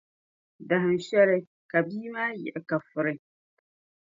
Dahinshɛli, ka bia maa yiɣi ka furi.